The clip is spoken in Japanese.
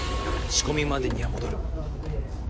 仕込みまでには戻る。